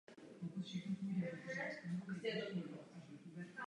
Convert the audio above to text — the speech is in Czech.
Byl členem belgické Královské literární akademie.